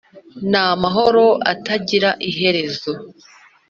n’amahoro atagira iherezo,